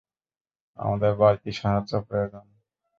আমাদের বাড়তি সাহায্য প্রয়োজন।